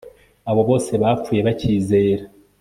abo bose bapfuye bacyizera